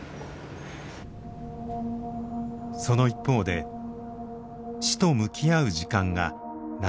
その一方で死と向き合う時間が長くなっています。